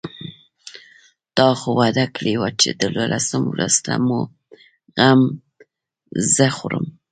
تا خو وعده کړې وه چې د دولسم وروسته مو غم زه خورم.